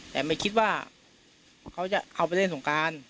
แต่ไม่คิดว่าเขาจะเอาไปเล่นสงการ